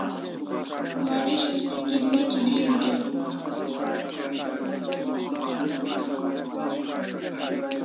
Waresho se kirmec' griu dai